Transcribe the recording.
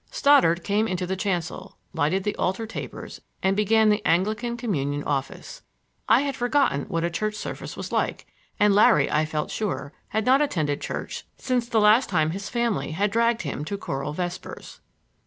Stoddard came out into the chancel, lighted the altar tapers and began the Anglican communion office. I had forgotten what a church service was like; and Larry, I felt sure, had not attended church since the last time his family had dragged him to choral vespers.